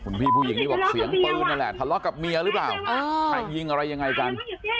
มีผู้หญิงนี่บอกเสียงปืนกับทำลองกับเมียหรือเปล่าตายยิงอะไรยังไงกัน